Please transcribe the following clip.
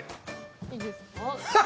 いいですか？